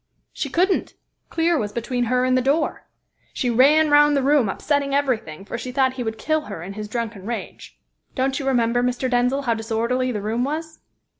"She couldn't. Clear was between her and the door. She ran round the room, upsetting everything, for she thought he would kill her in his drunken rage. Don't you remember, Mr. Denzil, how disorderly the room was?